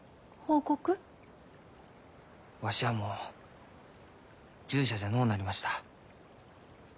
わしはもう従者じゃのうなりました。